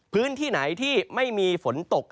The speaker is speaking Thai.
พื้นที่ไหนที่ไม่มีฝนตก